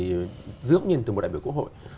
dưới ống nhìn từ một đại biểu của hội